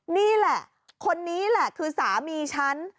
นี่แหละคนนี้แหละคือสามีฉัน